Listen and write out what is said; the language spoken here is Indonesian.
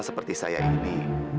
seperti saya ini